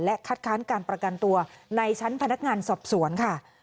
คัดค้านการประกันตัวในชั้นพนักงานสอบสวนค่ะ